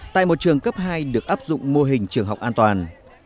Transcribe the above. tại một trường cấp hai được áp dụng mô hình trường học an toàn